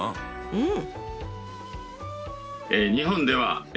うん。